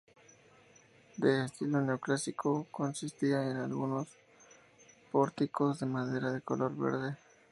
De estilo neoclásico, consistía en unos pórticos de madera de color verde.